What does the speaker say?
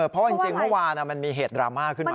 เพราะจริงเมื่อวานมันมีเหตุดราม่าขึ้นมา